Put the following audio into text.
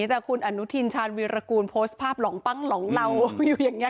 แต่คุณอนุทินชาญวีรกูลโพสต์ภาพหลองปั้งหลองเหล่าอยู่อย่างนี้